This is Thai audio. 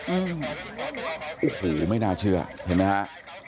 อื้อหือไม่น่าเชื่อเห็นไหมครับ